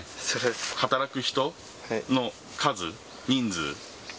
働く人の数、人数。